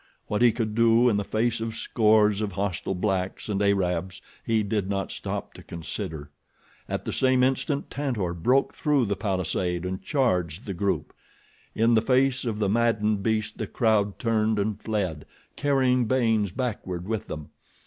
What he could do in the face of scores of hostile blacks and Arabs he did not stop to consider. At the same instant Tantor broke through the palisade and charged the group. In the face of the maddened beast the crowd turned and fled, carrying Baynes backward with them.